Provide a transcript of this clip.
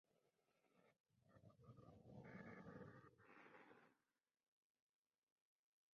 Contiene fondos procedentes de diversas colecciones y valiosos manuscritos.